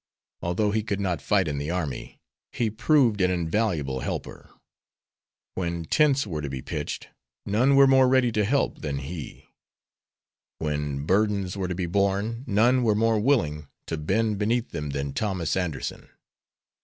Although he could not fight in the army, he proved an invaluable helper. When tents were to be pitched, none were more ready to help than he. When burdens were to be borne, none were more willing to bend beneath them than Thomas Anderson.